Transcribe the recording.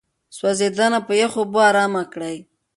سوځېدنه په يخو اوبو آرام کړئ.